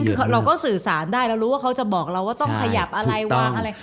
เพราะฉะนั้นเราก็สื่อสารได้แล้วรู้ว่าเขาจะบอกเราว่าต้องขยับอะไรวางอะไร